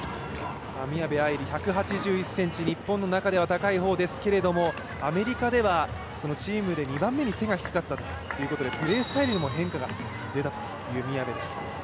宮部藍梨１８１ｃｍ日本の方では高い方ですがアメリカでは、チームで２番目に背が低かったということでプレースタイルにも変化が出たという宮部です。